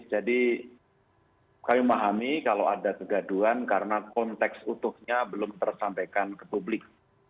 jadi kami memahami kalau ada kegaduhan karena konteks utuhnya belum tersampaikan ke publik